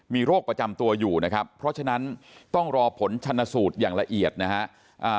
มีโรคประจำตัวอยู่นะครับเพราะฉะนั้นต้องรอผลชนสูตรอย่างละเอียดนะฮะ